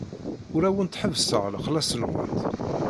Ur awent-ḥebbseɣ lexlaṣ-nwent.